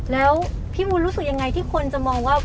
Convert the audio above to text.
แล้วพี่มูลรู้สึกยังไงที่คนจะมองว่า